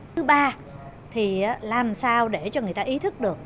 thứ ba thì làm sao để cho người ta ý thức được